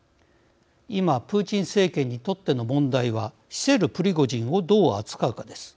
今プーチン政権にとっての問題は死せるプリゴジンをどう扱うかです。